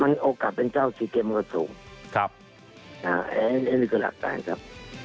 มันโอกาสเป็นเจ้าที่เก็บมากกว่าสูงมันก็หลักต่างครับ